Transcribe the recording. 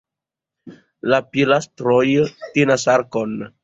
La pilastroj tenas arkon.